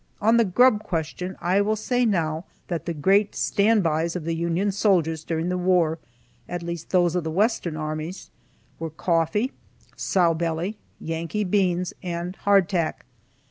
On the grub question I will say now that the great "stand bys" of the Union soldiers during the war, at least those of the western armies, were coffee, sow belly, Yankee beans, and hardtack.